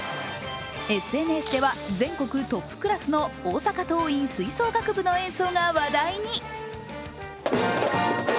ＳＮＳでは、全国トップクラスの大阪桐蔭吹奏楽部の演奏が話題に。